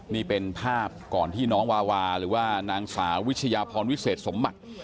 นี่เป็นภาพก่อนที่น้องวาวาหรือว่านางสาววิชยาพรวิเศษสมบัติ